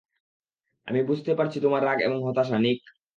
আমরা বুঝতে পারছি তোমার রাগ এবং হতাশা, নিক।